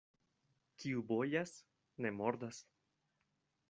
Kiu bojas, ne mordas.